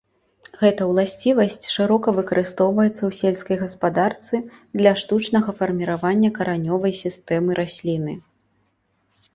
Гэта ўласцівасць шырока выкарыстоўваецца ў сельскай гаспадарцы для штучнага фарміравання каранёвай сістэмы расліны.